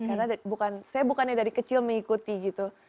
karena saya bukannya dari kecil mengikuti gitu